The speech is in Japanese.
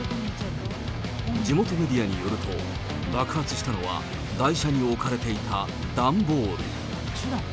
地元メディアによると、爆発したのは、台車に置かれていた段ボール。